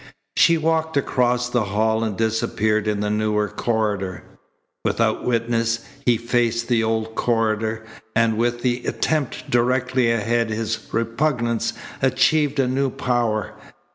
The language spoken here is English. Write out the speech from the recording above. She walked across the hall and disappeared in the newer corridor. Without witness he faced the old corridor, and with the attempt directly ahead his repugnance achieved a new power.